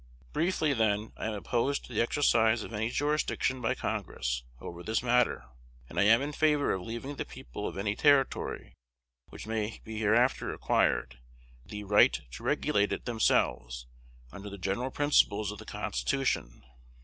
"Briefly, then, I am opposed to the exercise of any jurisdiction by Congress over this matter; and I am in favor of leaving the people of any territory which may be hereafter acquired, the right to regulate it themselves, under the general principles of the Constitution.